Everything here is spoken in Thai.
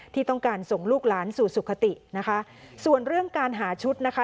ที่ต้องการส่งลูกหลานสู่สุขตินะคะส่วนเรื่องการหาชุดนะคะ